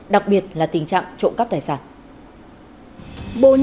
đặc biệt là tình trạng trộm cắp đại dịch